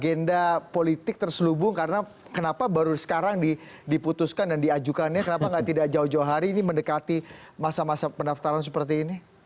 agenda politik terselubung karena kenapa baru sekarang diputuskan dan diajukannya kenapa tidak jauh jauh hari ini mendekati masa masa pendaftaran seperti ini